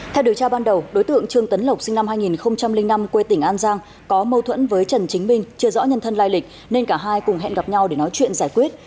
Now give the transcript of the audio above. theo điều tra ban đầu đối tượng trương tấn lộc sinh năm hai nghìn năm quê tỉnh an giang có mâu thuẫn với trần chính minh chưa rõ nhân thân lai lịch nên cả hai cùng hẹn gặp nhau để nói chuyện giải quyết